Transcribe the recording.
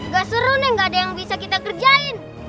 gak seru nih gak ada yang bisa kita kerjain